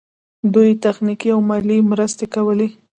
دوی تخنیکي او مالي مرستې کولې.